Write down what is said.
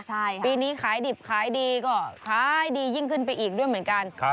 ใช่ค่ะปีนี้ขายดิบขายดีก็ขายดียิ่งขึ้นไปอีกด้วยเหมือนกัน